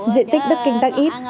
diện tích đất kinh tăng ít